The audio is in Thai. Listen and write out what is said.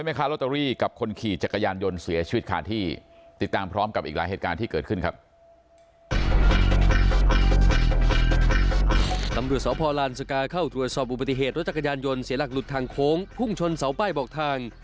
ตำรวจสพลานสกาเข้าตรวจสอบอุบัติเหตุรถจักรยานยนต์เสียหลักหลุดทางโค้งพุ่งชนเสาป้ายบอกทาง